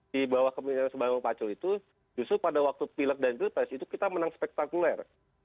di bawah kepemimpinan mas bambang pacul itu justru pada waktu pilih dan kritis itu kita menang spektakuler